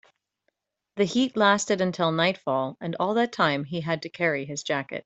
The heat lasted until nightfall, and all that time he had to carry his jacket.